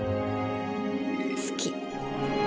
好き。